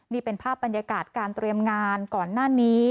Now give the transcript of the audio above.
นี่เป็นภาพบรรยากาศการเตรียมงานก่อนหน้านี้